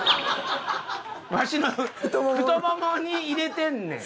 わしの太ももに入れてんねん。